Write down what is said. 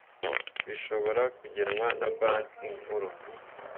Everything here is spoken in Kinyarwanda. bishobora kugenwa na Banki Nkuru